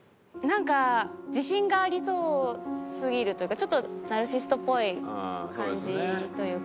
なんか自信がありそうすぎるというかちょっとナルシストっぽい感じというか。